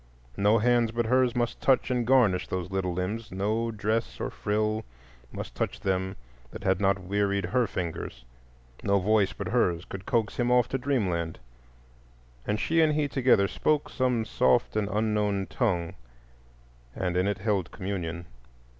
No hands but hers must touch and garnish those little limbs; no dress or frill must touch them that had not wearied her fingers; no voice but hers could coax him off to Dreamland, and she and he together spoke some soft and unknown tongue and in it held communion.